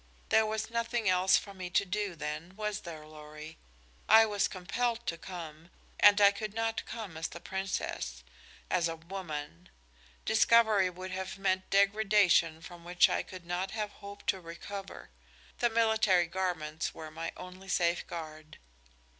There was nothing else for me to do, then, was there, Lorry? I was compelled to come and I could not come as the Princess as a woman. Discovery would have meant degradation from which I could not have hoped to recover. The military garments were my only safeguard."